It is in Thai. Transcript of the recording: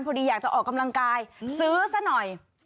อยากจะออกกำลังกายซื้อซะหน่อย